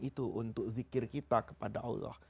itu untuk zikir kita kepada allah